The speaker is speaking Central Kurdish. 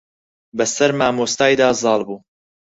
بە سەر مامۆستای دا زاڵ بوو.